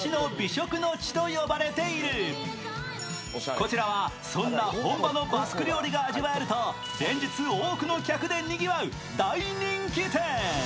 こちらはそんな本場のバスク料理が味わえると連日、多くの客でにぎわう大人気店。